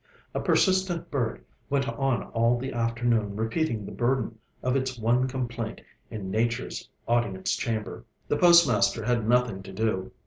A persistent bird went on all the afternoon repeating the burden of its one complaint in Nature's audience chamber. The postmaster had nothing to do.